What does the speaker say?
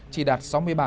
chỉ đạt sáu mươi ba